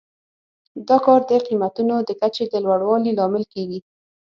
دا کار د قیمتونو د کچې د لوړوالي لامل کیږي.